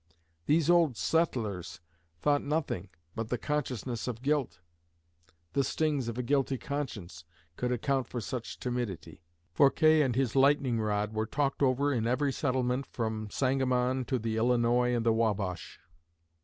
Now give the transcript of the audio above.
These old settlers thought nothing but the consciousness of guilt, the stings of a guilty conscience, could account for such timidity. Forquer and his lightning rod were talked over in every settlement from Sangamon to the Illinois and the Wabash.